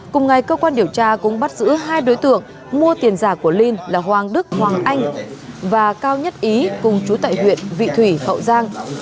cùng ngày cơ quan điều tra cũng bắt giữ hai đối tượng mua tiền giả của linh là hoàng đức hoàng anh và cao nhất ý cùng chú tại huyện vị thủy hậu giang